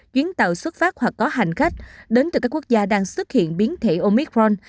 chuyến tàu xuất phát hoặc có hành khách đến từ các quốc gia đang xuất hiện biến thể omicron